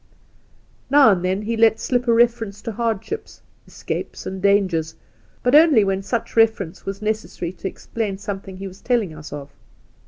Now and then he let slip a reference to hardships, escapes, and dangers, but only when such reference was necessary to explain something he was telling us of.